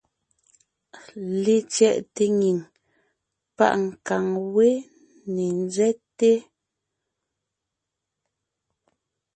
Letsyɛʼte nyìŋ páʼ nkàŋ wé ne ńzɛ́te.